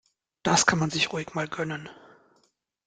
Das kann man sich ruhig mal gönnen.